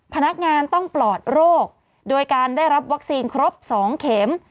พนักงานต้องปลอดโรคโดยการได้รับวัคซีนครบ๒เข็ม